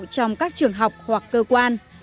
trong các trường học hoặc cơ quan